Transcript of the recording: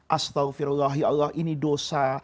astagfirullah ya allah ini dosa